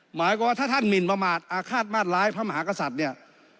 หมายความว่าถ้าท่านหมินประมาทอาฆาตมาตร้ายพระมหากษัตริย์เนี่ย